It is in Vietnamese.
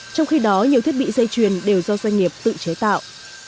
trong khi đó nhiều thiết bị dây truyền đều do doanh nghiệp tự chế tạo